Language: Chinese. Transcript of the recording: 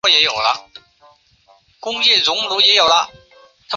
大小和卓又逃往巴达克山。